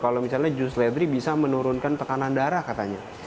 kalau misalnya jus ledri bisa menurunkan tekanan darah katanya